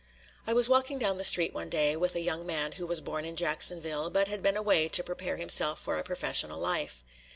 I was walking down the street one day with a young man who was born in Jacksonville, but had been away to prepare himself for a professional life.